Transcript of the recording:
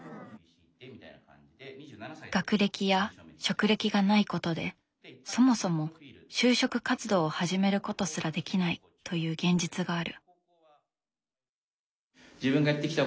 学歴や職歴がないことでそもそも就職活動を始めることすらできないという現実がある。